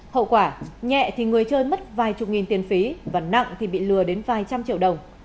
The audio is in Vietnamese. hậu quả nhẹ thì người chơi mất vài chục nghìn tiền phí và nặng thì bị lừa đến vài trăm triệu đồng